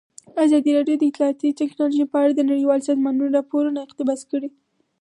ازادي راډیو د اطلاعاتی تکنالوژي په اړه د نړیوالو سازمانونو راپورونه اقتباس کړي.